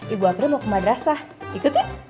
ibu aprih mau ke madrasah ikutin